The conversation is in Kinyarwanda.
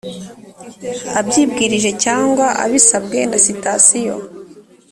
abyibwirije cyangwa abisabwe na sitasiyo